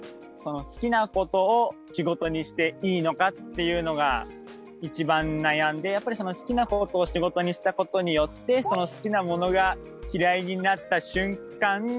好きなことを仕事にしていいのかっていうのが一番悩んでやっぱりその好きなことを仕事にしたことによってその好きなものが嫌いになった瞬間